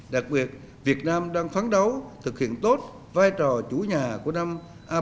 đặc biệt việt nam đang phán đấu thực hiện tốt vai trò chủ nhà của năm apec hai nghìn một mươi bảy